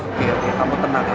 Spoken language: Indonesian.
oke oke kamu tenang ya